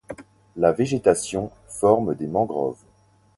La végétation forme des mangroves.